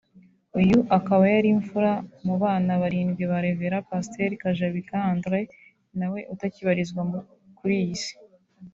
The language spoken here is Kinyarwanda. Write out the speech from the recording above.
uyu akaba yari imfura mu bana barindwi ba Révérend Pasteur Kajabika André nawe utakibarizwa kuri iyi Si